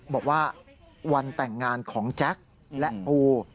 บอกว่าวันแต่งงานของแจ็คและปู